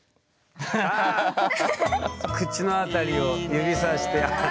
口の辺りを指さして。